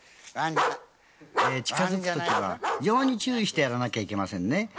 近づくときは非常に注意してやらなきゃいけませんね。